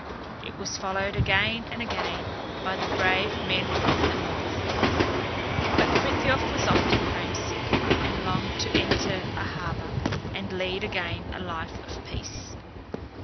It was followed again and again by the brave men of the North. But Frithiof was often homesick, and longed to enter a harbor, and lead again a life of peace.